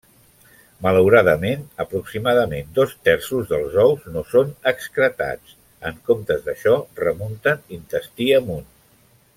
Malauradament, aproximadament dos terços dels ous no són excretats, en comptes d'això remunten intestí amunt.